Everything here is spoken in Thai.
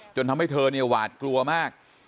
ทำให้เธอเนี่ยหวาดกลัวมาก